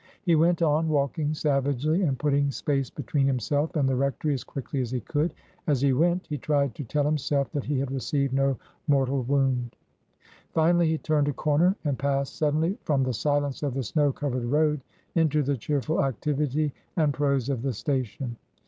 He went on, walking savagely and putting space between himself and the rectory as quickly as he could. As he went, he tried to tell himself that he had received no mortal wound. Finally he turned a corner and passed suddenly from the silence of the snow covered road into the cheerful activity and prose of the station.